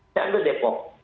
saya ambil depok